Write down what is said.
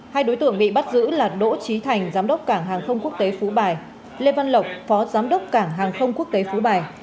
hai đối tượng bị bắt giữ là đỗ trí thành giám đốc cảng hàng không quốc tế phú bài lê văn lộc phó giám đốc cảng hàng không quốc tế phú bài